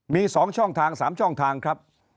มีสองช่องทางสามช่องทางครับ